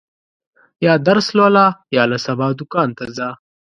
یا درس لوله، یا له سبا دوکان ته ځه.